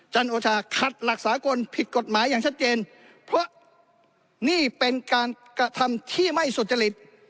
โอชาขัดหลักสากลผิดกฎหมายอย่างชัดเจนเพราะนี่เป็นการกระทำที่ไม่สุจริต